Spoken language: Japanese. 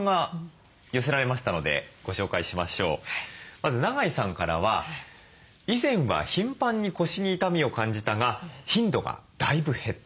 まず長井さんからは「以前は頻繁に腰に痛みを感じたが頻度がだいぶ減った。